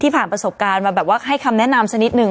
ผ่านประสบการณ์มาแบบว่าให้คำแนะนำสักนิดหนึ่ง